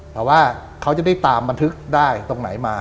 แต่ว่าเขาจะได้ตามบันทึกได้ตรงไหนมา